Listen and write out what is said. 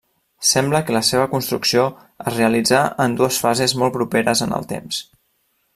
Sembla que la seva construcció es realitzà en dues fases molt properes en el temps.